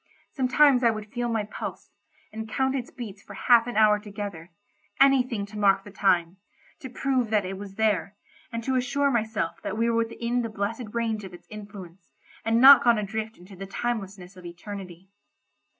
Sometimes I would feel my pulse, and count its beats for half an hour together; anything to mark the time—to prove that it was there, and to assure myself that we were within the blessed range of its influence, and not gone adrift into the timelessness of eternity.